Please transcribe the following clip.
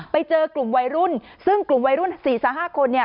ไปเจอกลุ่มวัยรุ่นซึ่งกลุ่มวัยรุ่น๔๕คนเนี่ย